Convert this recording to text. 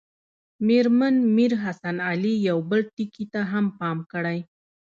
مېرمن میر حسن علي یو بل ټکي ته هم پام کړی.